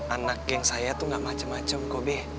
anak geng saya tuh gak macem macem kok be